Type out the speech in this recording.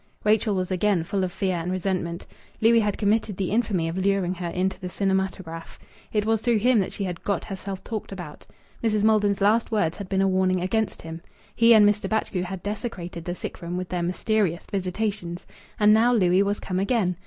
Rachel was again full of fear and resentment. Louis had committed the infamy of luring her into the cinematograph. It was through him that she had "got herself talked about." Mrs. Maldon's last words had been a warning against him. He and Mr. Batchgrew had desecrated the sick room with their mysterious visitations. And now Louis was come again.